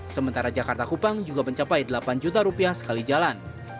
sementara jakarta kupang juga mencapai delapan juta rupiah sekali jalan